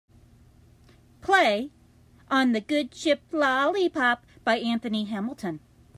play on the good ship lollipop by Anthony Hamilton